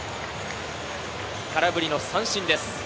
空振り三振です。